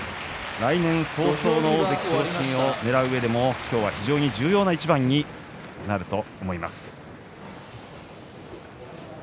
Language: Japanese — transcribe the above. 来年早々の大関昇進をねらううえでも今日は非常に重要な一番になると思います。